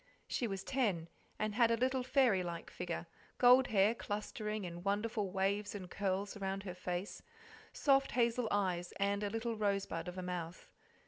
She was ten, and had a little fairy like figure, gold hair clustering in wonderful waves and curls around her face, soft hazel eyes, and a little rosebud of a mouth.